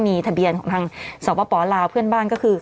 มีทะเบียนของทางสปลาวเพื่อนบ้านก็คือ